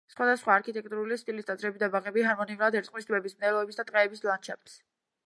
სხვადასხვა არქიტექტურული სტილის ტაძრები და ბაღები ჰარმონიულად ერწყმის ტბების, მდელოების და ტყეების ლანდშაფტს.